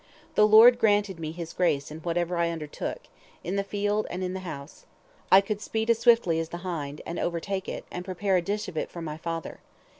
The Lord granted me His grace in whatever I undertook, in the field and in the house. I could speed as swiftly as the hind, and overtake it, and prepare a dish of it for my father.